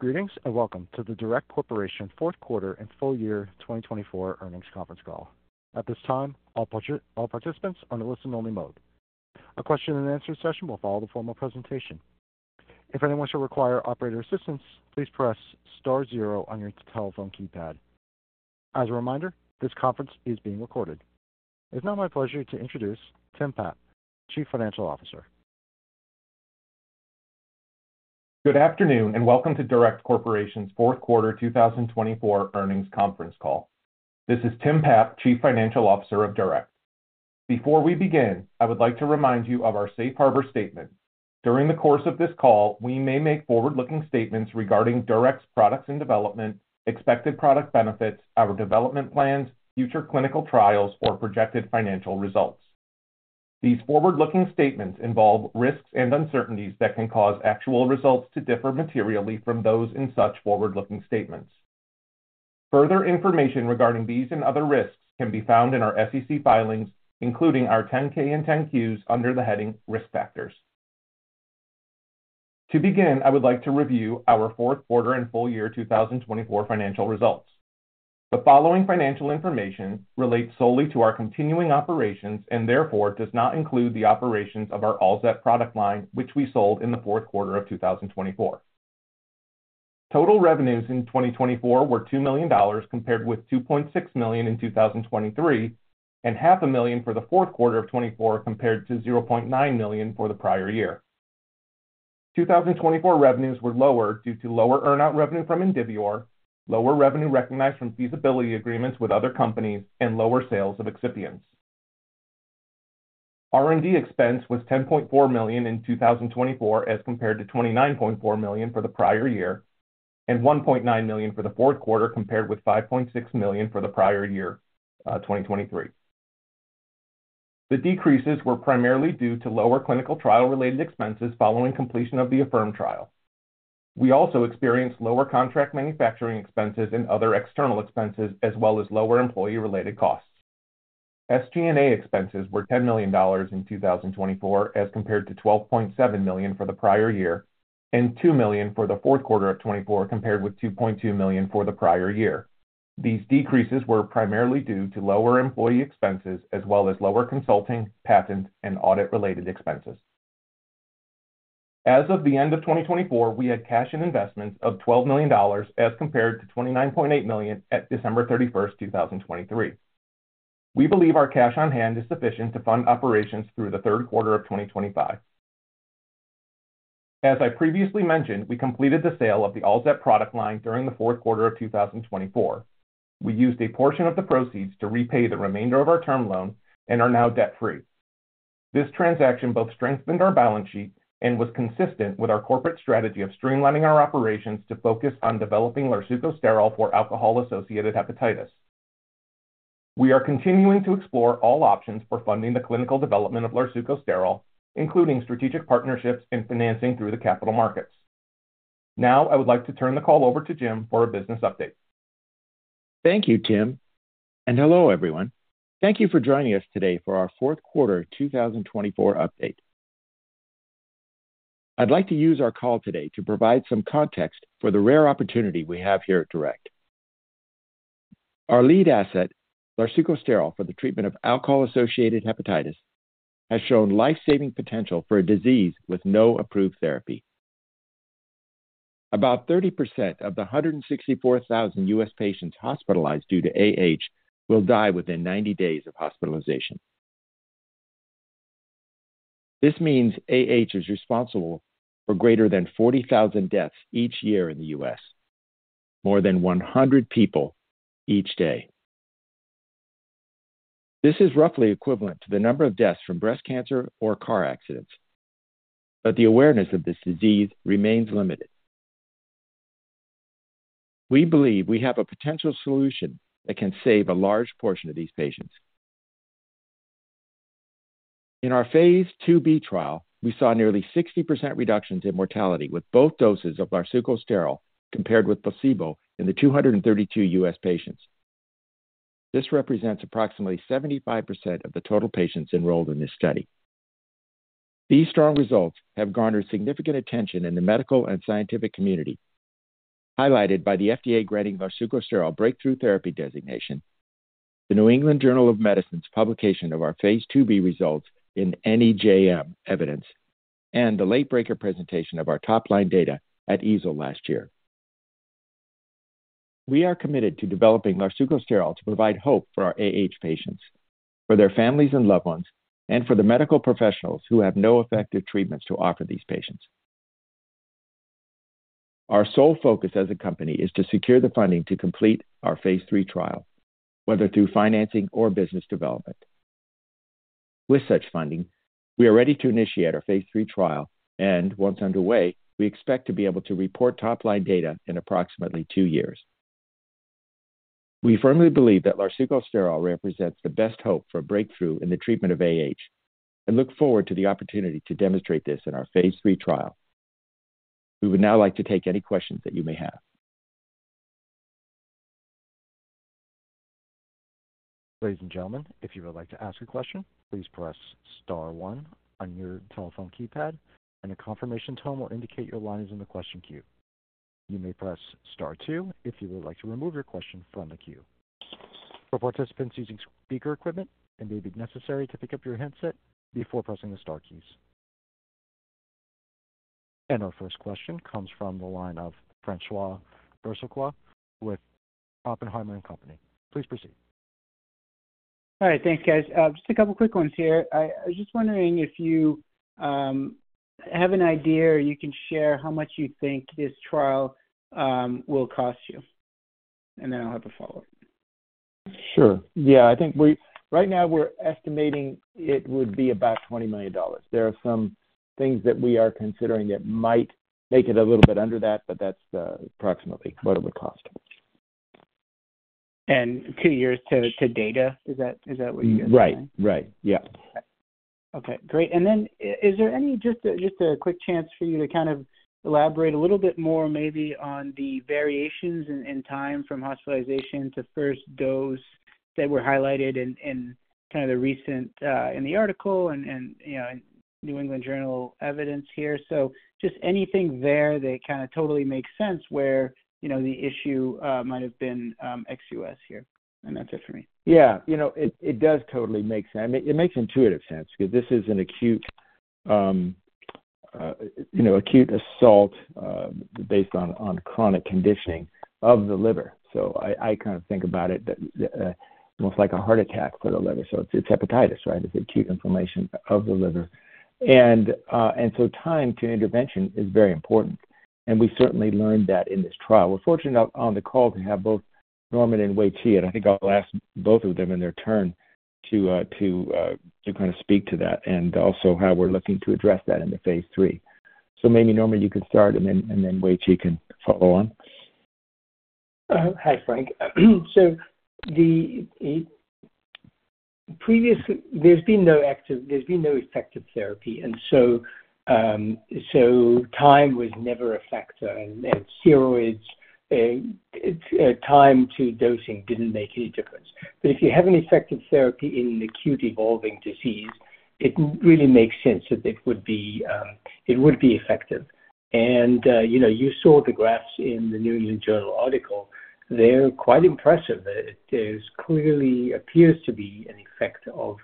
Greetings and welcome to the DURECT Corporation Fourth Quarter and Full Year 2024 Earnings Conference Call. At this time, all participants are in a listen-only mode. A question-and-answer session will follow the formal presentation. If anyone should require operator assistance, please press star zero on your telephone keypad. As a reminder, this conference is being recorded. It's now my pleasure to introduce Tim Papp, Chief Financial Officer. Good afternoon and welcome to DURECT Corporation's Fourth Quarter 2024 Earnings Conference Call. This is Tim Papp, Chief Financial Officer of DURECT. Before we begin, I would like to remind you of our Safe Harbor Statement. During the course of this call, we may make forward-looking statements regarding DURECT's products and development, expected product benefits, our development plans, future clinical trials, or projected financial results. These forward-looking statements involve risks and uncertainties that can cause actual results to differ materially from those in such forward-looking statements. Further information regarding these and other risks can be found in our SEC filings, including our 10-K and 10-Qs under the heading Risk Factors. To begin, I would like to review our Fourth Quarter and Full Year 2024 Financial Results. The following financial information relates solely to our continuing operations and therefore does not include the operations of our ALZET product line, which we sold in the fourth quarter of 2024. Total revenues in 2024 were $2 million compared with $2.6 million in 2023 and $500,000 for the fourth quarter of 2024 compared to $0.9 million for the prior year. 2024 revenues were lower due to lower earn-out revenue from Indivior, lower revenue recognized from feasibility agreements with other companies, and lower sales of excipients. R&D expense was $10.4 million in 2024 as compared to $29.4 million for the prior year and $1.9 million for the fourth quarter compared with $5.6 million for the prior year, 2023. The decreases were primarily due to lower clinical trial-related expenses following completion of the AHFIRM trial. We also experienced lower contract manufacturing expenses and other external expenses, as well as lower employee-related costs. SG&A expenses were $10 million in 2024 as compared to $12.7 million for the prior year and $2 million for the fourth quarter of 2024 compared with $2.2 million for the prior year. These decreases were primarily due to lower employee expenses, as well as lower consulting, patent, and audit-related expenses. As of the end of 2024, we had cash and investments of $12 million as compared to $29.8 million at December 31, 2023. We believe our cash on hand is sufficient to fund operations through the third quarter of 2025. As I previously mentioned, we completed the sale of the ALZET product line during the fourth quarter of 2024. We used a portion of the proceeds to repay the remainder of our term loan and are now debt-free. This transaction both strengthened our balance sheet and was consistent with our corporate strategy of streamlining our operations to focus on developing larsucosterol for alcohol-associated hepatitis. We are continuing to explore all options for funding the clinical development of larsucosterol, including strategic partnerships and financing through the capital markets. Now, I would like to turn the call over to Jim for a business update. Thank you, Tim. Hello, everyone. Thank you for joining us today for our fourth quarter 2024 update. I'd like to use our call today to provide some context for the rare opportunity we have here at DURECT. Our lead asset, larsucosterol, for the treatment of alcohol-associated hepatitis has shown life-saving potential for a disease with no approved therapy. About 30% of the 164,000 U.S. patients hospitalized due to AH will die within 90 days of hospitalization. This means AH is responsible for greater than 40,000 deaths each year in the U.S., more than 100 people each day. This is roughly equivalent to the number of deaths from breast cancer or car accidents, but the awareness of this disease remains limited. We believe we have a potential solution that can save a large portion of these patients. In our phase II-B trial, we saw nearly 60% reductions in mortality with both doses of larsucosterol compared with placebo in the 232 U.S. patients. This represents approximately 75% of the total patients enrolled in this study. These strong results have garnered significant attention in the medical and scientific community, highlighted by the FDA granting larsucosterol breakthrough therapy designation, the New England Journal of Medicine's publication of our phase II-B results in NEJM Evidence, and the late-breaker presentation of our top-line data at EASL last year. We are committed to developing larsucosterol to provide hope for our patients, for their families and loved ones, and for the medical professionals who have no effective treatments to offer these patients. Our sole focus as a company is to secure the funding to complete our phase III trial, whether through financing or business development. With such funding, we are ready to initiate our phase III trial, and once underway, we expect to be able to report top-line data in approximately two years. We firmly believe that larsucosterol represents the best hope for breakthrough in the treatment of AH and look forward to the opportunity to demonstrate this in our phase III trial. We would now like to take any questions that you may have. Ladies and gentlemen, if you would like to ask a question, please press star one on your telephone keypad, and a confirmation tone will indicate your line is in the question queue. You may press star two if you would like to remove your question from the queue. For participants using speaker equipment, it may be necessary to pick up your headset before pressing the star keys. Our first question comes from the line of François Brisebois with Oppenheimer & Company. Please proceed. All right. Thanks, guys. Just a couple of quick ones here. I was just wondering if you have an idea or you can share how much you think this trial will cost you, and then I'll have a follow-up. Sure. Yeah. I think right now we're estimating it would be about $20 million. There are some things that we are considering that might make it a little bit under that, but that's approximately what it would cost. Two years to data, is that what you're saying? Right. Right. Yeah. Okay. Great. Is there just a quick chance for you to kind of elaborate a little bit more maybe on the variations in time from hospitalization to first dose that were highlighted in kind of the recent article in New England Journal Evidence here? Just anything there that kind of totally makes sense where the issue might have been ex-U.S. here. That's it for me. Yeah. It does totally make sense. It makes intuitive sense because this is an acute assault based on chronic conditioning of the liver. I kind of think about it almost like a heart attack for the liver. It is hepatitis, right? It is acute inflammation of the liver. Time to intervention is very important. We certainly learned that in this trial. We are fortunate on the call to have both Norman and Weiqi, and I think I will ask both of them in their turn to kind of speak to that and also how we are looking to address that in the phase III. Maybe Norman, you could start, and then Weiqi can follow on. Hi, Frank. Previously, there's been no effective therapy. Time was never a factor. Steroids, time to dosing didn't make any difference. If you have an effective therapy in an acute evolving disease, it really makes sense that it would be effective. You saw the graphs in the New England Journal article. They're quite impressive. There clearly appears to be an effect of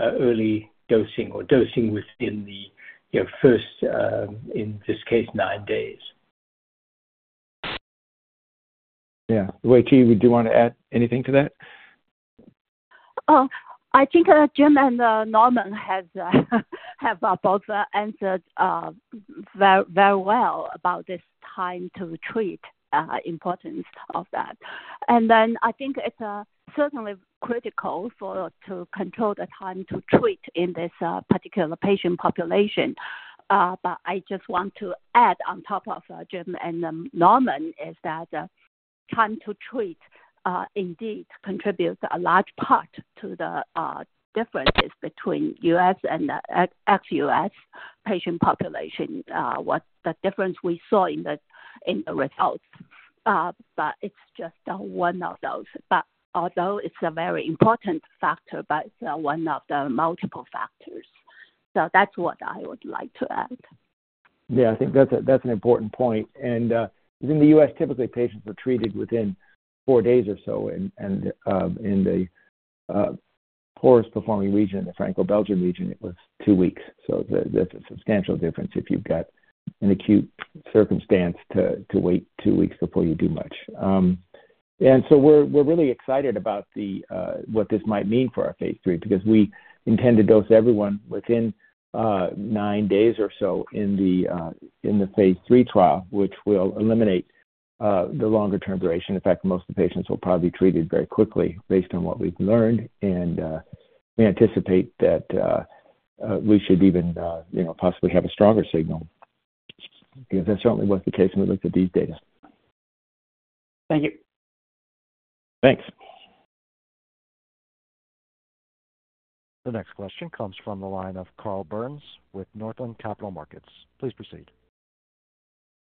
early dosing or dosing within the first, in this case, nine days. Yeah. Weiqi, would you want to add anything to that? I think Jim and Norman have both answered very well about this time to treat, the importance of that. I think it's certainly critical to control the time to treat in this particular patient population. I just want to add on top of Jim and Norman is that time to treat indeed contributes a large part to the differences between UX and XUS patient population, the difference we saw in the results. It's just one of those. Although it's a very important factor, it's one of the multiple factors. That's what I would like to add. Yeah. I think that's an important point. In the U.S., typically, patients are treated within four days or so. In the poorest-performing region, the Franco-Belgian region, it was two weeks. That's a substantial difference if you've got an acute circumstance to wait two weeks before you do much. We're really excited about what this might mean for our phase III because we intend to dose everyone within nine days or so in the phase III trial, which will eliminate the longer-term duration. In fact, most of the patients will probably be treated very quickly based on what we've learned. We anticipate that we should even possibly have a stronger signal because that certainly was the case when we looked at these data. Thank you. Thanks. The next question comes from the line of Carl Byrnes with Northland Capital Markets. Please proceed.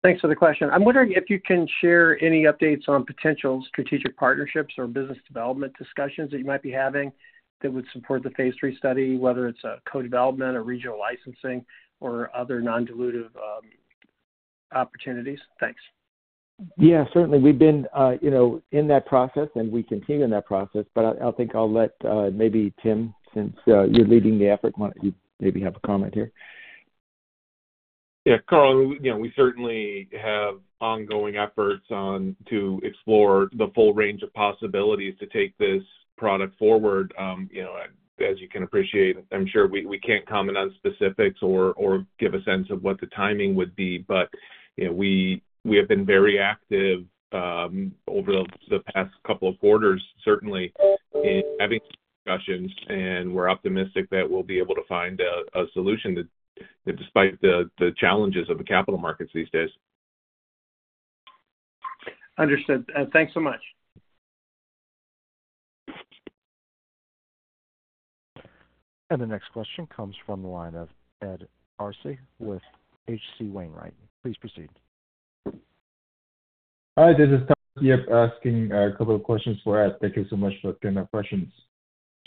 Thanks for the question. I'm wondering if you can share any updates on potential strategic partnerships or business development discussions that you might be having that would support the phase III study, whether it's co-development or regional licensing or other non-dilutive opportunities. Thanks. Yeah. Certainly. We've been in that process, and we continue in that process. I think I'll let maybe Tim, since you're leading the effort, maybe have a comment here. Yeah. Carl, we certainly have ongoing efforts to explore the full range of possibilities to take this product forward. As you can appreciate, I'm sure we can't comment on specifics or give a sense of what the timing would be. We have been very active over the past couple of quarters, certainly, in having discussions. We are optimistic that we'll be able to find a solution despite the challenges of the capital markets these days. Understood. Thanks so much. The next question comes from the line of Ed Arce with HC Wainwright. Please proceed. Hi. This is Tom. You're asking a couple of questions for Ed. Thank you so much for giving up questions.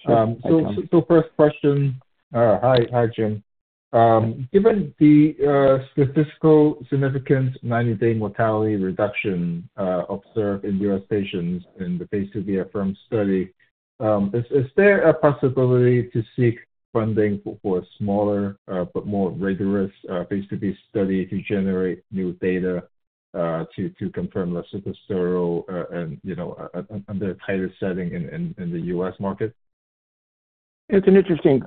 Sure. Thank you. First question. Hi, Jim. Given the statistical significance, 90-day mortality reduction observed in U.S. patients in the phase II-B AHFIRM study, is there a possibility to seek funding for a smaller but more rigorous phase II-B study to generate new data to confirm larsucosterol under a tighter setting in the U.S. market? It's an interesting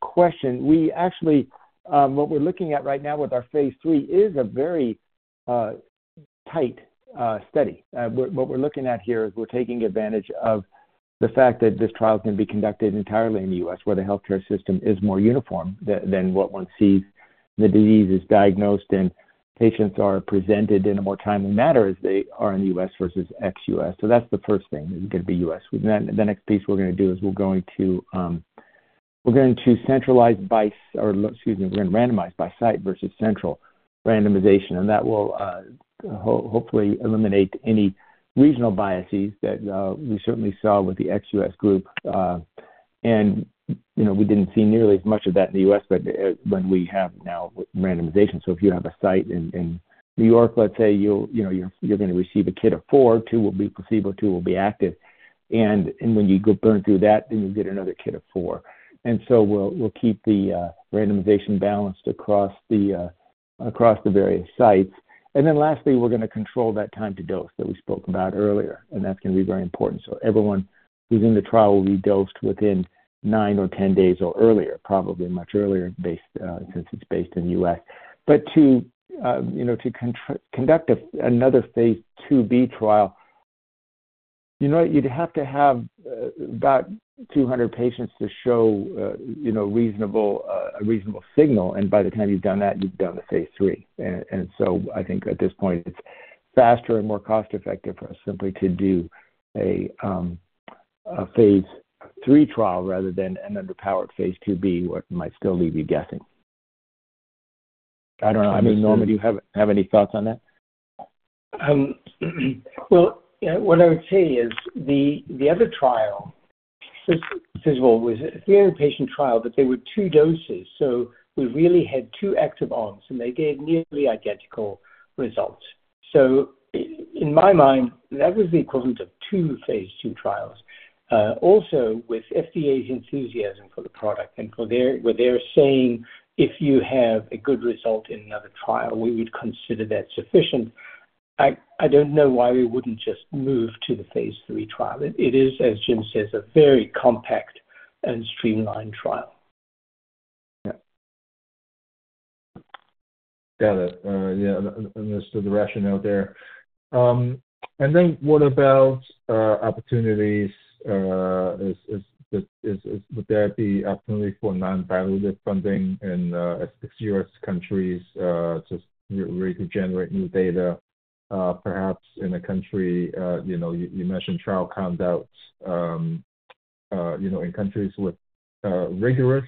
question. Actually, what we're looking at right now with our phase III is a very tight study. What we're looking at here is we're taking advantage of the fact that this trial can be conducted entirely in the U.S., where the healthcare system is more uniform than what one sees. The disease is diagnosed, and patients are presented in a more timely manner as they are in the U.S. versus ex-U.S. That is the first thing, it is going to be U.S. The next piece we're going to do is we're going to centralize by—excuse me—we're going to randomize by site versus central randomization. That will hopefully eliminate any regional biases that we certainly saw with the ex-U.S. group. We did not see nearly as much of that in the U.S., but now we have randomization. If you have a site in New York, let's say, you're going to receive a kit of four. Two will be placebo. Two will be active. When you burn through that, you'll get another kit of four. We'll keep the randomization balanced across the various sites. Lastly, we're going to control that time to dose that we spoke about earlier. That's going to be very important. Everyone who's in the trial will be dosed within 9 or 10 days or earlier, probably much earlier since it's based in the U.S. To conduct another phase II-B trial, you'd have to have about 200 patients to show a reasonable signal. By the time you've done that, you've done the phase III. I think at this point, it's faster and more cost-effective for us simply to do a phase III trial rather than an underpowered phase II-B, what might still leave you guessing. I don't know. I mean, Norman, do you have any thoughts on that? What I would say is the other trial, the other patient trial, but there were two doses. We really had two active arms, and they gave nearly identical results. In my mind, that was the equivalent of two phase II trials. Also, with FDA's enthusiasm for the product and what they're saying, if you have a good result in another trial, we would consider that sufficient. I don't know why we wouldn't just move to the phase III trial. It is, as Jim says, a very compact and streamlined trial. Yeah. Got it. Yeah. Understood the rationale there. What about opportunities? Would there be opportunity for non-dilutive funding in ex-U.S. countries just really to generate new data, perhaps in a country? You mentioned trial comes out in countries with rigorous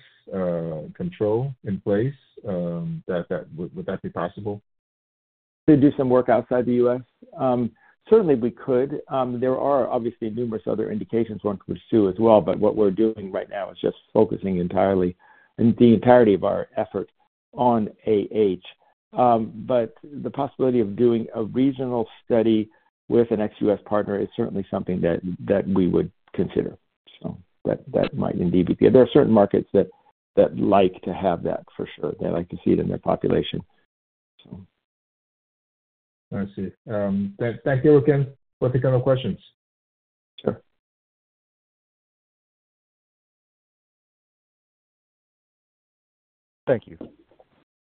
control in place. Would that be possible? To do some work outside the U.S.? Certainly, we could. There are obviously numerous other indications one could pursue as well. What we're doing right now is just focusing entirely and the entirety of our effort on, but the possibility of doing a regional study with an ex-U.S. partner is certainly something that we would consider. That might indeed be good. There are certain markets that like to have that for sure. They like to see it in their population. I see. Thank you again for the kind of questions. Sure. Thank you.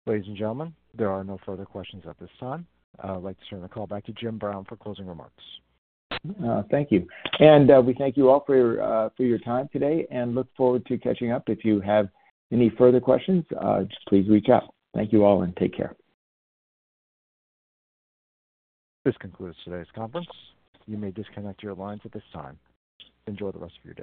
Ladies and gentlemen, there are no further questions at this time. I'd like to turn the call back to Jim Brown for closing remarks. Thank you. We thank you all for your time today and look forward to catching up. If you have any further questions, please reach out. Thank you all, and take care. This concludes today's conference. You may disconnect your lines at this time. Enjoy the rest of your day.